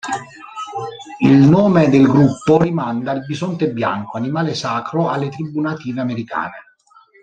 Il nome del gruppo rimanda al bisonte bianco, animale sacro alle tribù native americane.